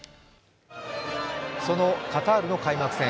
そのカタールの開幕戦。